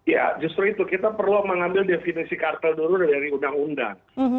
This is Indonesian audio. ya justru itu kita perlu mengambil definisi kartel dulu dari undang undang